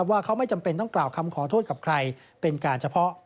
ว่าเขาไม่จำเป็นต้องกล่าวคำขอโทษกับใครเป็นการเฉพาะ